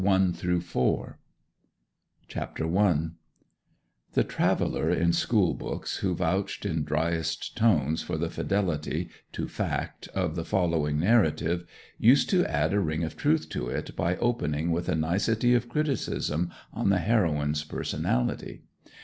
A MERE INTERLUDE CHAPTER I The traveller in school books, who vouched in dryest tones for the fidelity to fact of the following narrative, used to add a ring of truth to it by opening with a nicety of criticism on the heroine's personality.